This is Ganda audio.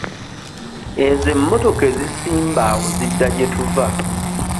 Ezo emmotoka ezisimba awo zidda gye tuva.